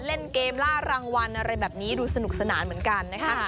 เล่นเกมล่ารางวัลอะไรแบบนี้ดูสนุกสนานเหมือนกันนะคะ